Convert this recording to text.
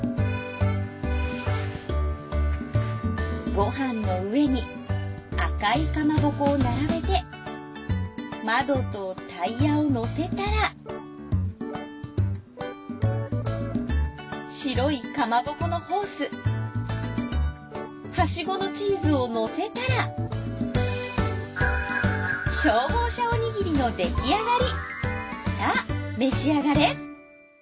ごはんの上に赤いかまぼこを並べて窓とタイヤをのせたら白いかまぼこのホースはしごのチーズをのせたら消防車おにぎりの出来上がり。